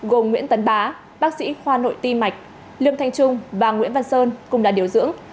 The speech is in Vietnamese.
gồm nguyễn tấn bá bác sĩ khoa nội tim mạch lương thanh trung và nguyễn văn sơn cùng là điều dưỡng